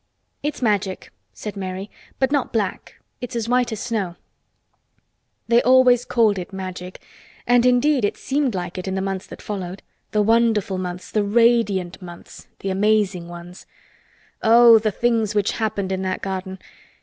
_" "It's Magic," said Mary, "but not black. It's as white as snow." They always called it Magic and indeed it seemed like it in the months that followed—the wonderful months—the radiant months—the amazing ones. Oh! the things which happened in that garden!